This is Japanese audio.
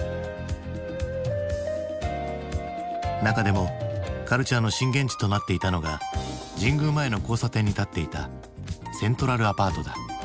中でもカルチャーの震源地となっていたのが神宮前の交差点に立っていたセントラルアパートだ。